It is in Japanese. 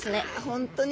本当に。